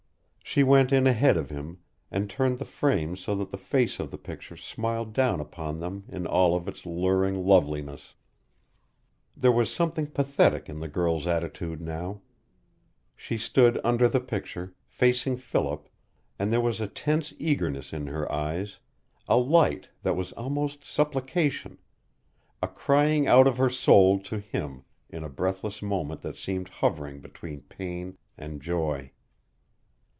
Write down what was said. She went in ahead of him and turned the frame so that the face in the picture smiled down upon them in all of its luring loveliness. There was something pathetic in the girl's attitude now. She stood under the picture, facing Philip, and there was a tense eagerness in her eyes, a light that was almost supplication, a crying out of her soul to him in a breathless moment that seemed hovering between pain and joy.